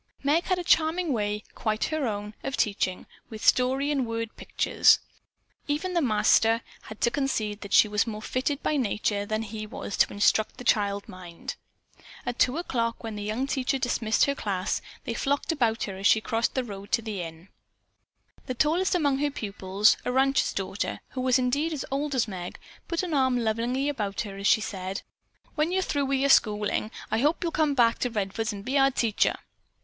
Meg had a charming way, quite her own, of teaching, with story and word pictures. Even the master had to concede that she was more fitted by nature than he was to instruct the child mind. At two o'clock, when the young teacher dismissed her class, they flocked about her as she crossed the road to the inn. The tallest among her pupils, a rancher's daughter, who was indeed as old as Meg, put an arm lovingly about her as she said, "When yer through with yer schoolin', don't I hope yo'll come back to Redfords an' be our teacher."